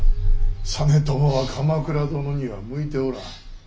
実朝は鎌倉殿には向いておらん。